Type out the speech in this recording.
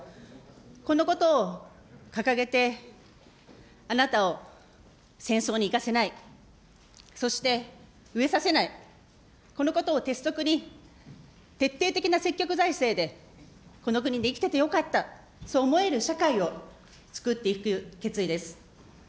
このことを掲げて、あなたを戦争に行かせない、そして飢えさせない、このことを徹底的な積極財政でこの国で生きててよかった、そう思える社会をつくっていく決意です。